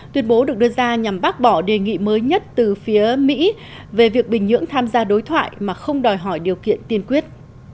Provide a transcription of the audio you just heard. tuyên bố được đưa ra nhằm bác bỏ đề nghị mới nhất từ phía mỹ về việc bình nhưỡng tham gia đối thoại mà không đòi hỏi điều kiện tiên quyết